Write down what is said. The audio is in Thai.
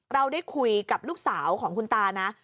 เราได้คุยกับลูกสาวของคุณตานะ